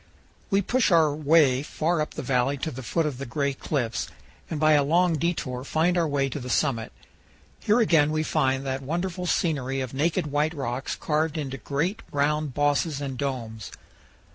We push our way far up the valley to the foot of the Gray Cliffs, and by a long detour find our way to the summit. Here again we find that wonderful scenery of naked white rocks carved into great round bosses and domes.